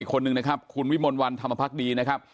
คนหนึ่งนะครับคุณวิมลวันธรรมพักดีนะครับ